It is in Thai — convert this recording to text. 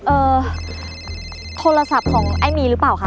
โทรศัพท์ของไอ้มีหรือเปล่าคะ